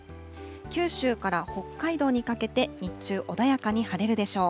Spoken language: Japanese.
九州から北海道にかけて、日中、穏やかに晴れるでしょう。